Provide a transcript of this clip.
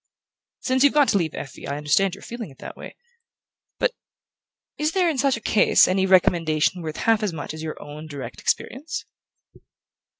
"Since you've got to leave Effie I understand your feeling in that way. But is there, in such a case, any recommendation worth half as much as your own direct experience?"